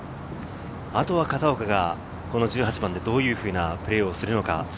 あとは片岡が１８番でどういうふうなプレーをするのか。